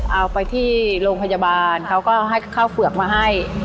เอาไปที่โรงพยาบาลเขาก็ให้ข้าวเฝือกมาให้